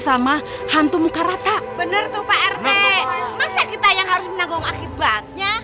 sama hantu muka rata bener tuh prt masa kita yang harus menanggung akibatnya